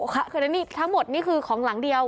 ค่ะคือทั้งหมดนี่คือของหลังเดียว